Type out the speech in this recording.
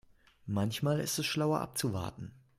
Manchmal ist es schlauer abzuwarten.